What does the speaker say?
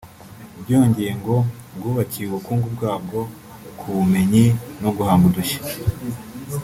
Byongeye ngo bwubakiye ubukungu bwabwo ku bumenyi no guhanga udushya